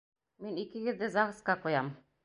Мин икегеҙҙе ЗАГС-ҡа ҡуям.